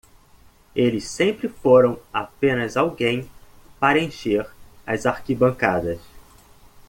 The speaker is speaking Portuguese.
Eles sempre foram apenas alguém para encher as arquibancadas.